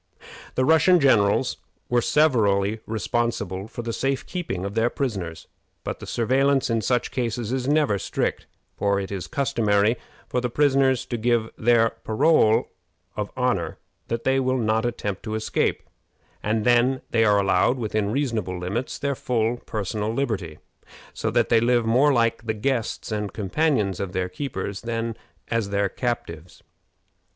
The Russian generals were severally responsible for the safe keeping of their prisoners; but the surveillance in such cases is never strict, for it is customary for the prisoners to give their parole of honor that they will not attempt to escape, and then they are allowed, within reasonable limits, their full personal liberty, so that they live more like the guests and companions of their keepers than as their captives.